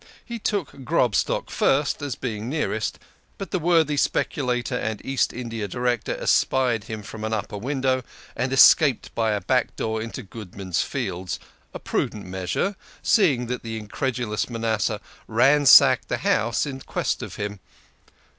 He took Grobstock first as being nearest, but the worthy speculator and East India Director espied him from an upper window, and escaped by a back door into Goodman's Fields a prudent measure, seeing that the incredulous Manasseh ransacked the house in quest of him.